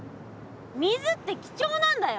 水って貴重なんだよ。